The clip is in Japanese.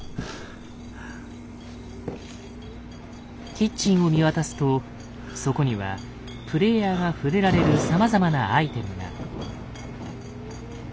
キッチンを見渡すとそこにはプレイヤーが触れられるさまざまなアイテムが。